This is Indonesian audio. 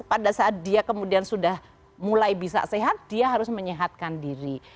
pada saat dia kemudian sudah mulai bisa sehat dia harus menyehatkan diri